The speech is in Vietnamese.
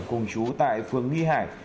cùng chú tại phường nghi hải